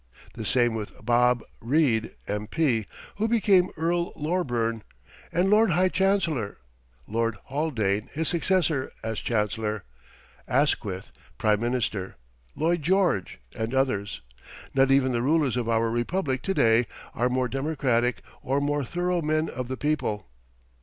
The same with "Bob" Reid, M.P., who became Earl Loreburn and Lord High Chancellor, Lord Haldane, his successor as Chancellor; Asquith, Prime Minister, Lloyd George, and others. Not even the rulers of our Republic to day are more democratic or more thorough men of the people.